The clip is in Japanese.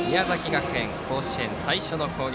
学園、甲子園最初の攻撃